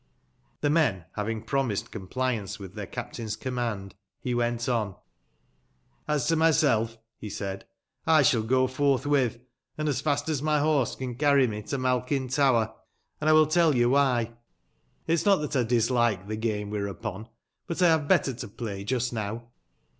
The men having promised compliance with their captain's command, he went on :" As to myself ," he said, " I shall go forthwith, and as fast as my horse can carry me, to Malkin Tower, and I wiU teil you why. It is not that I dislike the game we are upon, but I have better to play just now.